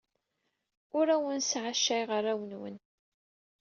Ur awent-sɛacayeɣ arraw-nwent.